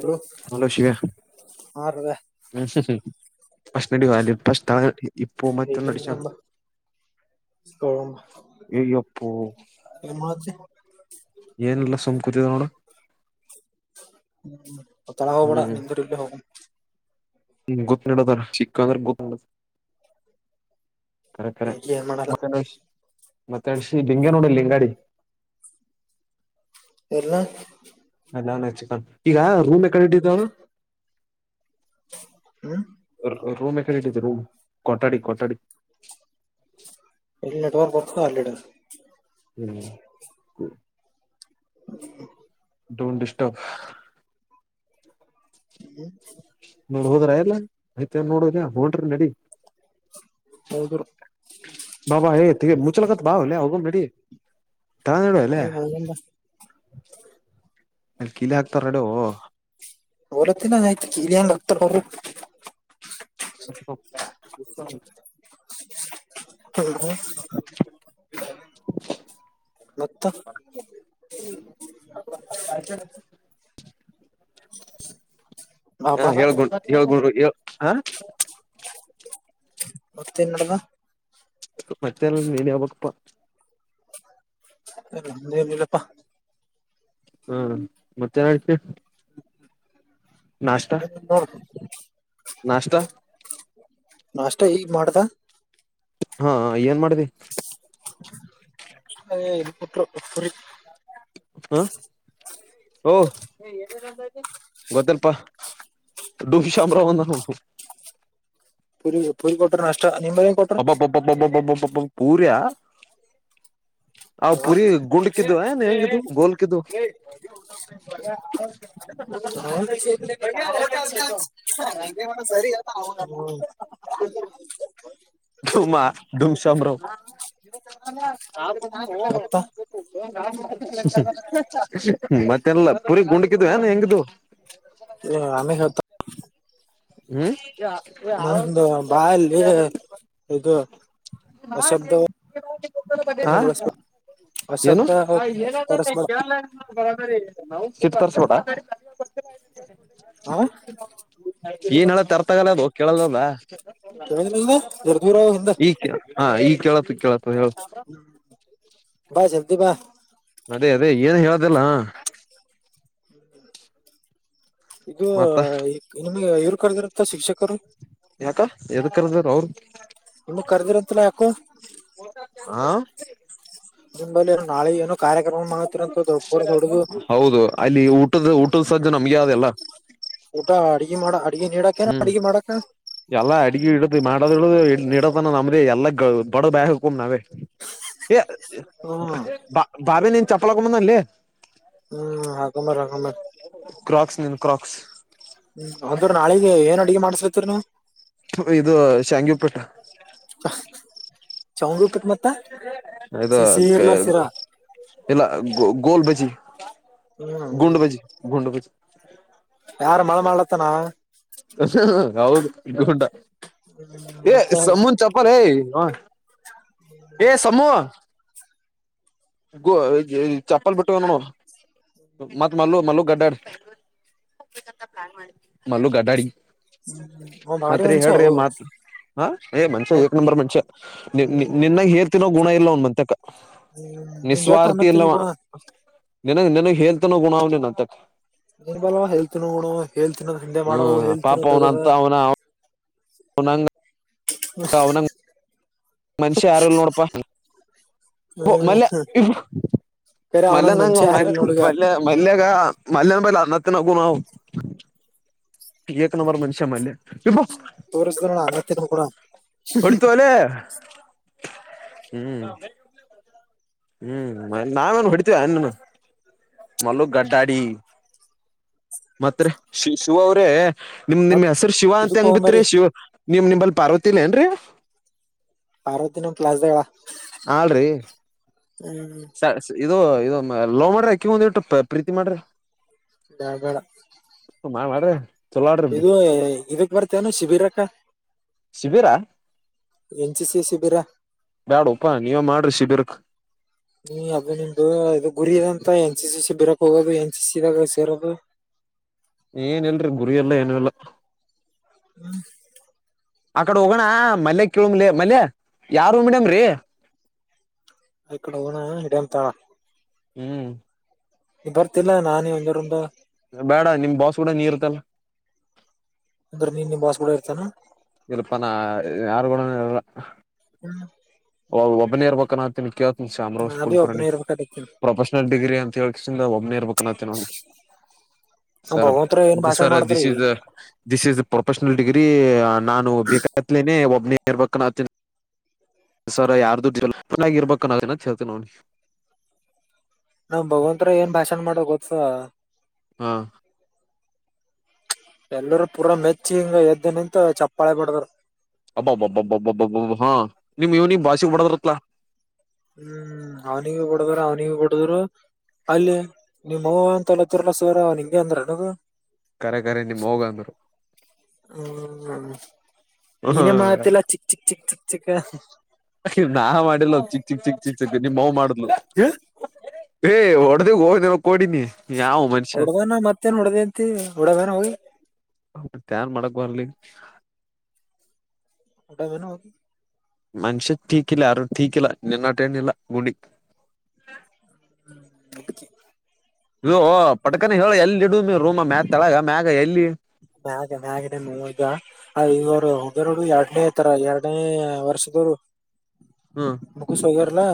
Hello hello ಶಗ ಹ ಹಾ ರವ್ಯಾ ಭಶಣ ಅಡಿ ಅಲ್ಲ ಭ ಇಪ್ಪ ಮತ್ತೊಂದು ಅಡಚ ಕ ಎ ಮಾಡ ಏನಲ್ಲ ಸುಮ್ ಕೂತಿದೆ ನೋಡ ಹ್ಮ ಹ ತಳಾವೋಗ ಬಡ ನಿಿಧರಲೆ ಹೋಗ ಹ್ಮ್ ಗೊತ್ ನಡದಾರ ಚಿಕ್ಕ ಅಂದ್ರ ಗೊತ್ಡದು ಕರೆ ಕರೆ ಏನ್ ಮಾಡಲ್ಲ ಮತ್ತೆ ಮತ್ತೆ ಅಳ್ಸ ಡಿಂಗಗೆ ನೋಡಿ ಲಿಂಗಡಿ ಎರ್ಲ್ಲ ಅಲ್ಲ ಈಗ ರೂಮ್ ಎಕಡೆ ಇಟ್ಟಿದ್ದಾವ ಹ್ಮ್ ರೂಮ್ ಎ ರೂಮ ಕೊಠಾಡಿ ಕೊಠಡಿ ನೆಟ್ವರ್ಕ್ ಬತ ಅರ್ ಹ್ಮ್ ಹ ಡೂಂಡ ಇಷ್ಟ ಹ್ಮ ನೋಡ್ ಹೋದ್ರ ಎಲ್ಲ ಆಯ್ತ ನೋಡದ ನೋಡ್ರಿ ನಡಿ ಹೌದು ಬಬಾ ಮುಚೆಲಗತ್ ಭಾವ ಹೊಲ್ಲ ಹೋಗ ರೆಡಿ ತರ ನಡುುವ ಅಲ್ಲೇ ಅಲ್ಲಿ ಕೀಲಿ ಹಾಕ್ತಾರ ನಡು ಬಲತ್ತ ನ ನತಿ ಕಲ್ಲಿನ್ಕ್ತ ಬ [inaudible] ಹೌ [inaudible] ಹ ಬಾಬಾ ಹೇಳ್ಂ ಹೇಳ್ೊಂಡರು ಹ ಮತ್ತೇನ್ ಮಾಡಡುವ ಮತ್ತೆಲ್ಲ ನೀಡಿ ಹೋಗಬೇಕಪ್ಪಾ ಏನ ಇಲ್ಲಪ್ಪಾ ಹಾ ಮತ್ತೆ ಯಾಕೆ ಹ್ಮ ನಾಶ್ತಾ ಮಾಡದಾ ಹಾ ಏನ್ ಮಾಡ್ದಿ ಅದ ಇದು ಕೊಟ್ಟ ಸರಿ ಹ್ಮ ಓ ಗೊತ್ತಲ್ಪಾ ದುಫಿ ಶಾಮ ರವ ನು ಪುರಿ ಪುರಿ ಕೊಟ್ರೆ ನಷ್ಟ ಪಬ್ಬ್ಬ್ ಪೂರ್ಯ ಆ್ ಪುರಿ ಗುಂಡ ಕಿದ್ದ ಏನ್ ಹೆಂಗಿದ್ದು ಗೋಲ್ ಕಿದ್ದು [unintelligible] [unintelligible] ತರಿ ಅ ಹ ಧೂಮಾ ಧೂಮಸ್ರಮ ಮತ್ತ ಮತ್ತೆಲ್ಲ ಪುರಿ ಗುಂಡಗಿದ್ ಏನ್ ಹೆಂಗ್ದು ಏ ಅಮಷತ ಹ್ಮ್ ಆಳ ದ ಬಾಯಲ್ಲಿ ಬ ಇದು ಅಶಬ್ದವನ್ನು [unintelligible] ಹಾ ಬಳಸ್ಬೇಡ ಏನು ಅಶಬ್ದ ಏನ ತರಸ್ಬೇಡ ಬರ ನಾವು ತರ್ಬವಿ ಹಾ ಆ ಈಏನ್ಲ್ಲ ತರ್ತಾಗಲ್ಲ ಅದು ಕೇಳಲ್ದ ಕೇಳಿದ್ರಲ್ಲ ಜರ ದೂರ ಈ ಹ ಈ ಕೇಳತು ಕೇಳತ್ ಹೇಳ ಬಾಯ ಜಲ್ಡಿ ಬಾ ಅದೇ ಅದೇ ಏನು ಹೇಳೋದಲ್ಲ ಇದು ಮತ್ತ ನಿಮಗೆ ಇವರು ಕರೆದಿರತ್ತ ಶಿಕ್ಷಕರು ಯಾಕ ಎದ ಕರ್ದ ಅವರು ನಿಮ್ಮ ಕರ್ದಿರಂತಲ್ಲ ಯಾಕು ಹ ನಿಂಬಲ್ಲಿ ನಾಳೆ ಏನ ಹೌದು ಅಲ್ಲಿ ಊಟದ ಊಟದ ಸದ್ದು ನಮ್ಗೆ ಯಾವ್ದಲ್ಲ ಟಾ ಹ್ಮ್ ಎಲ್ಲಾ ಅಡಗ ಇಡ ಮಾಡದ ನಡತನ ನಮ್ದೇ ಎಲ್ಲ ಬಡ ಬಾಯ ಹಕೊ ನಾವೇ ಹ್ಮ್ ಬಾ ಬಾಬಿ ನೀನು ಚಪ್ಪಲ ಕಮ್ಮಂದಲ್ಲೇ ಹ್ಮ್ ಹಾಗಗಮಾರ ಹಗಮರ್ ಕ್ರಾಕ್ಸ್ ನನು ಕ್ರಾಕ್ಸ್ ಅಡುಗೆ ಮಾಡ್ತ್ರ್ನು ಇದು ಶಾಂಗಿಪೇಟ್ಟ ಚವಂಗಿ ಉಪ್ಪಿಟ್ ಮತ್ತ ಇದು ಸಿಹಿ ಇರ್ಲ ಸಿರಾ ಇಲ್ಲ ಗ ಗೋಲ್ ಬಜಿ ಗುಂಡ ಹ್ಮ್ ಬಜಿ ಗುಂಡಬಜಿ ಯಾರ ಮಳೆ ಮಾಡ್ಲತ್ತನ ಹೌದುಟ ಹ್ಮ್ ಏ ಮತ್ತೆ ಸಮಮ್ಮುನ್ ಚಪ್ಪಲ್ ಏ ಏ ಸಮೂಹ ಚಪ್ಪಲ್ ಬಿಟ್ಟ ನೋ ಮತ್ತ ಮಲ್ಲ ಮಲ್ಲ ಗಡ್ಡಾಡಿ ಮಲ್ಲು ಗಡ್ಡಾಡಿ ಹ ಭಾರಿ ಮತ್ರಿ ಅಸ ಹೇಳ್ರಿ ಮಾತ್ ಹ ಏ ಮನ್ಷ್ಯ ಏಕ್ ನಂಬರ್ ಮನ್ಷ್ಯ ನಿನ್ನಾಗ ಹೇರ್ತನೋ ಗುಣ ಇಲ್ಲ ಒನ್ ಮತಕ್ಕ ನಿಂದ ಎಟ್ಟ ಅನ್ನ ನಿಸ್ವಾರ್ಥಿ ಇಲ್ಲ ತಿನ್ನು ಗುಣ ನಿನಗ್ ನನಗ್ ಹೇಳ್ತಾನೋ ಗುಣಾವನ್ ಅಂತಕ್ ಮಾಡ ಹ್ಮ್ ಹೆಲ್ತ್ ಪಾಪ ಏ ತಗದ ಅವನಂತ ಅವನ ಅವನಂಗ ಹಾ [unintelligible] ಮನ್ಷ್ಯ ಯಾರಲ್ ನೋಡಪಾ ಇ ಮೆ ಹ್ಮ್ ಇ [unintelligible] ಬೇರೆ ಅವನಂಗ್ ಮಲ್ಯನಂಗ ಮನ್ಷ್ಯ ಮ ಯಾರಿಲ್ಲ ನೋಡ್ ಈಗ ಮ ಮಲ್ಯಾಗ ಮಲ್ಲಯನ ಅ ಇನ ಗುಣಾವ ನಂಂಬರ್ ಮನುಷ್ಯ ಮಾಡ ತೋರಿಸುದಣ ಮತ್ತಿದ ಕೂಡ ಹೊಡ್ತ ಅಲ ಹ್ಮ್ ಹ್ಮ್ ನಾವೇನು ಹೊುಡತಿೇವ ಇನ್ನನು ಮಲ್ಲುಕ್ ಗಡ್ಡಾಡಿ ಮತ್ರ ಶ ಶಿವ ಅವ್ರೆ ನಿಮ್ ನಿಮ್ ಮತ್ ಹೆಸರು ಶಿವ ಅಂತ ಇದಕ್ ಹೆಂಗ್ ಬಿತ್ರಿ ಹೋಗಂಬರಿ ಶಿವ ನಿಮ್ ನಿಮಲ್ ಪಾರ್ವತಿನ ಏನ್ರೀ ಅರ ದಿನಂ ಪ್ಲಾಸ್ಗಳ ಹಳ್ರಿ ಹ್ಮ್ ಇದು ಇೊ ಲೋ ಮಾಡ್ರಿ ಅಕ್ಕಿ ಮುಂದ್ ಇಟ್ಟು ಪ್ರೀತಿ ಮಾಡ್ರಿ ಬಬಳ ಹ ಮಾ ಮಾಡ್ರೆ ಇದು ಇದಕ್ ಬರ್ತೇನು ಶಿಬಿರಕ್ಕ ಶಿಬಿರ ಎನ್ ಸಿ ಸಿ ಶಿಬಿರ ಬ್ಯಾಡ ಉಪಾ ನೀವ ಮಾಡ್ರಿ ಶಿಬಿರಕ್ ನೀ ಅಬ್ಬ ನಿಮ್ದು ಇದು ಗುರಿ ಇಂತ ಎನ್ ಸಿ ಸಿ ಸಿ ಬಿರಕ್ ಹೋಗೋದು ಎನ್ ಸಿ ಸಿಿದಾಗ ಸೇರೋದು ಏನ್ಲ್ರಿ ಗುರಿಯಲ್ಲ ಏನಲ್ಲ ಹ್ಮ್ ಆ ಕಡೆ ಹೋಗೋಣ ಮಲ್ಲಯ ಕೆಳಮಲೆ ಮಲ್ಲಯ ಯಾರುಮೀಡಮ್ರೀ ಈ ಕಡೆ ಹೋಗಣ ಇಡಂತಾ ಹ್ಮ್ ನೀ ಬರ್ತಿಲ್ಲ ನಾನೀ ಒಬ್ಬರಾನಬಾ ಬೇಡ ನಿಮ್ ಬಾಸ್ ಕೂಡ ನೀರ್ ಇರ್ತ್ತಲ್ಲ ಅಂದ್ರೆ ನೀ ನಿಮ್ಮ್ ಬಾಸ್ ಕೂಡ ಇರ್ತೀಯೇನ. ಇಲ್ಪಾ ನ ಯಾರುಗೂಡನಾರಲ್ಲ [inaudible] ಒಬ್ಬನೇ ಇರಬೇಕಂತೀನಿ ಕೇಳ್ತೀನಿ ಶ್ಯಾಮರಾವ್ ನಾ ಬಿ ಸ್ಕೂಲ್ಕರಣಿ ಒಬ್ಬನೇ ಇರ್ಬೇಕಾಗತೀನಿ ಪ್ರೊಫೆಷನಲ್ ಡಿಗ್ರಿ ಅಂತ ಹೇಳಕಿಸಿಂದ ಒಮ್ಮ್ನ ಇರ್ಬೇಕನತ್ತ ನೋಡಿ ನಾವ್ ಸರ್ ಭಗವಂತರ ಏನ್ ಭಾಷಣ ಸರ್ ಮಾಡ್ತಾರ this is this is pro professional degree ನಾನು ಬೇಕಾಯತ್ಲೇನೆ ಒಬ್ನೇ ಇರ್ಬೇಕಂತೀನಿ. ಸರ ಯಾರ್ದುಡ್ನ್ನಾ [unintelligible] ಗಿರ್ಬೇಕನ್ನನ ಹೇಳ್ತನ ನೋಡಿ. ನಮ್ಮ ಭಗವಂತರ ಏನ್ ಭಾಷಣ ಮಾಡನ ಗೊದ್ಸ ಹ್ಮ್ ಎಲ್ಲರು ಪೂರಾ ಮೆಚ್ಚಿ ಹಿಂಗ ಎದ್ದನಿಂತ ಚಪ್ಪಾಳೆ ಬಡದರು. ಅಬ್ಬಾಬ್ಬಬ್ಬಬ್ಬಬ್ಬಬ್ಬಬ ಹಾ ನಿಮ್ ಇವನಿಂಗ್ ಭಾಷೆ ಬಡದ್ರತ್ತಾಲ್ಲ. ಹ್ಮ್ ಅವನಿಗೂ ಬಡದ್ರ ಅವ್ನಿಗೊ ಬಡದರು ಅಲ್ಲಿ ನಿಮ್ಮ್ವ ಅಂತ [unintelligible] ನಿಂಗೆ ಅಂದ್ರನು ಅದು ಕರೆ ಕರೆ ನಿಮ್ಹೋಗಂದ್ರು ಹ್ಮ್ ನೀನೇ ಹ ಮಾತಿಲ್ಲ ಚಿಕ್ ಚಿಕ್ ಚಿಕ್ ಚಿಕ್ ಚಿಕ್ ನಾ ಮಾಡಿಲ್ಲ ಚಿಕ್ ಚಿಕ್ ಚಿಕ್ ಚಿಕ್ ಚಿಕ್ ನಿಮ್ಮವ್ವ ಮಾಡಿದ್ಲು. ಏ ಹೊಡವೊ ನಿನ್ ಕೊಡಿನಿ. ಹೂಡಾದೆನಾ ಮತ್ತೇನ್ ಹೊಡ್ದಂತಿ ಹೊಡದೇನ ಹೋಗಿ. [unintelligible] ನ್ ಮಾಡಕ್ ಬರ್ಲಿ [unintelligible] ಹೋಗಿ ಮನುಷ್ಯ ಟೀಕಿಲ್ಲ ಅರೂ ಟೀಕಿಲ್ಲ ನಿನ್ನಟೇನಿಲ್ಲ ಗುಡಿ [unintelligible] ಇವೊ ಪಟ್ಕನ ಹೇಳ ಎಲ್ಲಿಡೊಮ ರೂಮ ತಳಗ ಮ್ಯಾಗ ಎಲ್ಲಿ ಮ್ಯಾಗ ಮ್ಯಾಗಡೆನೋದ ಈಗ ಅ ಇವರು ಎರಡು ಎರಡನೇ ತರ ಎರಡನೇ ವರ್ಷದವರು ಹ್ಮ್ ಮುಗುಸ ಹೋಗ್ಯಾರಲ್ಲ.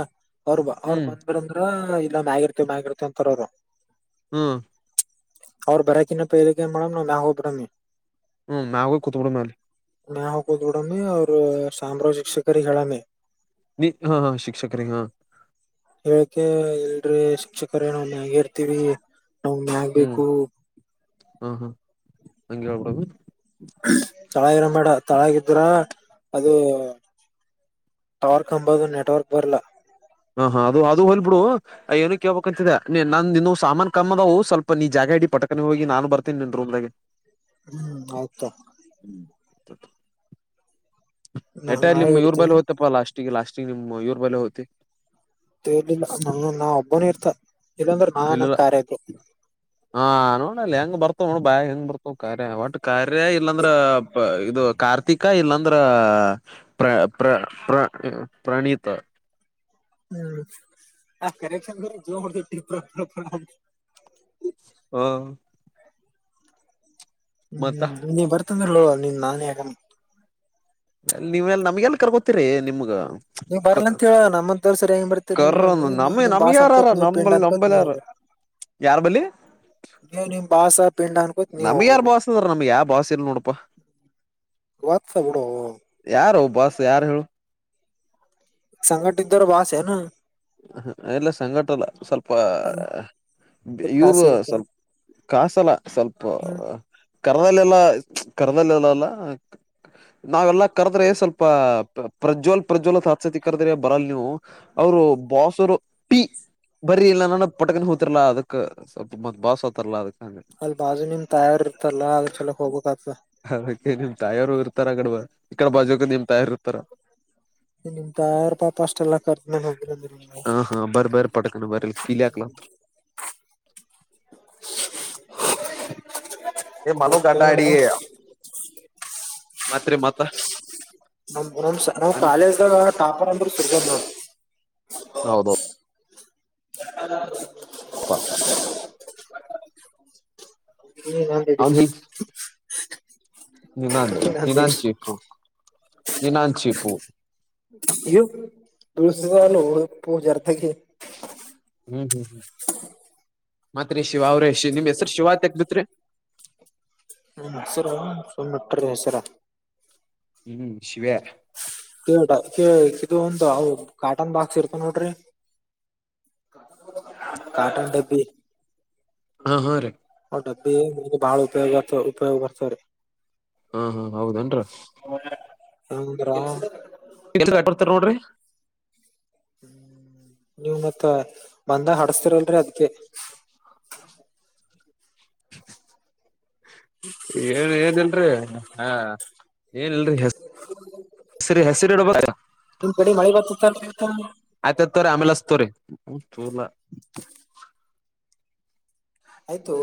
ಅವರು ಬ ಅವ್ರು ಹ್ಮ್ ಬಂದ್ರ ಅಂದ್ರ ಇಲ್ಲ ಮ್ಯಗ ಇರ್ತಿವಿ ಮ್ಯಗ ಇರ್ತಿವ ಅಂತಾರ ಅವರು ಹ್ಮ್ ಅವ್ರು ಬರಾಕಿನ [unintelligible] ಹೋಗಬಿಡಮಿ ಹ್ಮ್ ಮೇಲೆ ಹೋಗಕುತ್ತುಬಿಡಾಮಲ್ಲಿ ಮೇಲಹೋಗಕುಟ್ಟುಬಿಡಮ ಅವರು ಸಾಮ್ರಾಜ್ಯ [unintelligible] ಹೇಳಾನೆ ನೀ ಹಾ ಹಾ ಶಿಕ್ಷಕರೀಗೆ ಹಾ ಹೇಳ್ಕೆ ಇಲ್ರಿ ಶಿಕ್ಷಕರೇ ನಾವ್ ಮಾಗ ಇರ್ತೀವಿ. ನಮಗ್ ಹ್ಮ್ ಮ್ಯಾಗಬೇಕು. ಹಾ ಹಾ ಅಂಗೆ ಹೇಳ್ಬಿಡಾಮ ಹಾ ತಳಗರದ ಬೇಡ ತಳಗಿದ್ರ ಅದು ಟವರ್ ಕಂಬದು ನೆಟ್ವರ್ಕ್ ಬರ್ಲ್ಲ ಹ ಹಾ ಅದು ಅದು ಹೊಗಲ್ ಬಿಡು ಏನ ಕೇಳ್ಬೇಕಕ್ಂತಿದೆ ನೀ ನಾನ್ ನಿನು ಸಾಮಾನನ್ ಕಮ್ಮ ಅದವು ಸ್ವಲ್ಪ ನೀ ಜಾಗ ಇಡಿ ಪಟ್ಟ ನೇ ಹೋಗಿ ನಾನು ಬರ್ತನಿ ನಿನ್ ರೋಮ್ನಗೆ ಹ್ಮ್ ಆಯ್ತಾ ನಾ ಎಟಲಿ ನಾಳೆ ನಿಮ್ ಇವ್ರ ಬಳಿ ಇಡ್ತೀನಿ ಹೋತಪ್ಪ ಅಲ್ಲ ಲಾಷ್ಟಿಗೆ ಲಾಸ್ [unintelligible] ನಿಮ ಇವರ್ ಬಲಿ ಹೊತ್ತಿ ತಿರ್ಲಿಲ್ಲ ನನ್ನ ನಾ ಒಬ್ಬನ ಇರ್ತ ಇಲ್ಲಾಂದ್ರ ನಾ ನಮ ಇಲ್ಲಲ್ಲ ಕಾರ್ಯ [unintelligible] ನಲ್ಲಿ ಹೆಂಗ ಬರ್ತವ ನೋ ಬ್ಯಾಗ ಹೆಂಗ ಬರ್ತವ ಕಾರ್ಯ ಬಟ್ ಕಾರ್ಯ ಇಲ್ಲಾಂದ್ರ ಇದು ಕಾರ್ತಿಕ ಇಲ್ಲಾಂದ್ರ ಪ್ರ ಪ್ರ ಪ್ರ ಪ್ರಣೀತ್. ಹ್ಮ್ ಆ ಕರೆಕ್ಷನ್ ಜೀವ ಪ್ರ ಪ್ರ ಪ್ರ ಅಂತ. ಹ್ಮ ಹ್ಮ್ ನೀ ಬರ್ತಂದ್ರ ನಿನ್ ನಾನೇ ಯಗ ಎ ನೀವೆಲ್ಲ ನಮ್ಗೆ ಎಲ್ಲ ಕರ್ಕೊತೀರಿ ನಿಮ್ಗ. ನೀವ್ ಬರ್ಲ ಅಂತ ಹೇಳ ನಮ್ಮಂದವ್ ಸರಿ ಹೆ ಬರ್ತೀರಿ ನೀವು ಕರ್ರ ನೀವವು ನೀವು ನಮ ನಿಮ್ ನಮ್ಗ ಬಾಸ್ ಯಾರಾರ ಅನ್ಕೋತ್ ನೀವು ನಮ ಪಿಂಡ್ ಅನ್ಕೋತ್ ನಂಬಲ್ ನೀವ್ ಯಾರ ಹೋಗ್ರಿ ಯಾರ್ ನೀವ್ ನೀಮ್ ಬಸಾ ನಮ್ ಯಾರ ಬಾಸದರ ನಮ್ಗೆ ಯಾವ ಬಾಸ್ ಇಲ್ ನೋಡಪಾ. ಗೊತ್ ಬಿಡೋ. ಬಸ್ ಯಾರು ಹೇಳು. ಸಂಗಟಿದ್ದರ್ ಬಾಸೆನ. ಹ ಎಲ್ಲ ಸಂಗಟಲ್ಲ ಸ್ವಲ್ಪ ಸ್ವಲ್ಪ ಕಾಸ ಇವರು ಇರುತ್ತೆ ಸ್ವಲ್ಪ ಕಾಸಲ ಸ್ವಲ್ಪ ಹ್ಮ್ ಕರದಲ್ಲ ಎಲ್ಲಾ ಕರದಲ್ಲ ಎಲ್ಲ ಅಲ್ಲ ನಾವೆಲ್ಲಾ ಕರದ್ರೆ ಸ್ವಲ್ಪ ಪ್ರಜ್ವಲ್ ಪ್ರಜ್ವಲತ್ತ್ಸತಿ ಕರ್ದ್ರೆ ಬರಲ್ ನೀವು ಅವರು ಬಾಸ್ರು ಪಿ ಬರೀ ಇಲ್ಲ ನಾನ ಪಟಕನ ಹೋಗತಿರ್ಲಾ ಅದಕ್ ಸ್ವಲ್ಪ ಮ ಬಾಸ್ ಹತಾರಲಾ ಅದಕ್. ಹಂಗ ಅಲ್ ಬಾಜು ನಿಮ್ ತಯಾರಿ ಇರ್ತಲ್ಲ ಅದ ಚಲೋಕ್ ಹೋಗ್ಕ್ತ. ಅದಕ್ಕೆ ನಿಮ್ ತಯಾರು ಇರ್ತಾರ ಅಂಗಡ ಈಕಡ ಬಾಜಕ ನಿಮ್ ತಯಾರು ಇರ್ತಾರ. ನಿಮ್ ತಯಾರ ಪಾಪ ಅಷ್ಟೆಲ್ಲಾ ಕರ್ದ ಮೇನ್ ಹೋಗಿಂದ್ರಿ. ಹಾ ಹಾ ಬರ್ ಬರ ಪಡಕಣ ಬರಲ್ಲ ಕಲಕ್ಲ. [inaudible] ಏ ಮನು ಗಡಾಡ ಮತ್ತೇನ್ರ ಮತ್ರಿ ಮತ್ತ. ನಮ ನಮ್ ನಾವ್ ಕಾಲೇಜ್ದ್ಗ ಟಾಪರ್ ಅಂದ್ರರು ಸಿರ್ಗ. ಹೌದೌದು. ಹ್ಮ ವಾಕ್ ಹ್ಮ ನಂದಡಿ. ನಿನಂದು ನಿನಂಚಿ ಪು ನಿನಂಚಿ ಪೂ. ಇವು ತಳಸ ಪ ಜಾರತ. ಹ್ಮ್ ಹ್ಮ್ ಹ್ಮ್ ಮತ್ರಿ ಶಿವ ಅವ್ರ ನಿಮ್ ಹೆಸರು ಶಿವ ತಗದತ್ರಿ. [inaudible] ನನ್ ಹೆಸರು [unintelligible] ಹ್ಮ್ ಶಿವ್ಯಾ ಕೆಟ ಕು ಒಂತ ಕಾ ಕಾಟನ್ ಬಾಕ್ಸ್ ಇರ್ತ ನೋಡ್ರಿ ಕಾಟನ್ ಡಬ್ಬಿ‌. ಹಾ ಹಾ ರೀ. ಡಬ್ಬಿ ಬಹಳ ಉಪಯ ಉಪಯೋಗ ಬರ್ತಾರೆ ರೀ. ಹಾ ಹಾ ಹೌದೇನ್ರಿ ಅಂದ್ರ. ಹ [inaudible] ಹ್ಮ ನೀವ್ ಮತ್ತ ಬಂದಾಗ ಹಡಸ್ತಿರಲ್ರಿ ಅದ್ಕ. ಹ ಏನ್ ಏನ ಇಲ್ರಿ ಹಾ ಏನ ಇಲ್ರಿ ಹೆಸ ಇ ಕಡೆ ಮಾಡಳಿ ಬತ ಆಯ್ತ ತೋರ ಆಮೇಲೆತುರಿ ತಲ. ಆಯ್ತು.